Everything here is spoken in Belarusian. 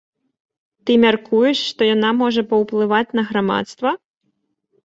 Ты мяркуеш, што яна можа паўплываць на грамадства?